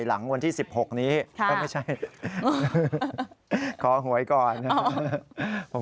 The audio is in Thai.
หลังวันที่๑๖นี้ก็ไม่ใช่ขอหวยก่อนนะครับ